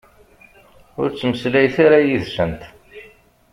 Ur ttmeslayet ara yid-sent.